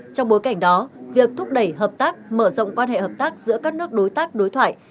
trong bối cảnh đó việc thúc đẩy hợp tác mở rộng quan hệ hợp tác giữa các nước đối tác đối thoại